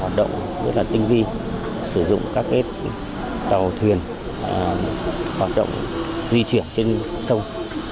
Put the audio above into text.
hoạt động tinh vi sử dụng các tàu thuyền hoạt động di chuyển trên sông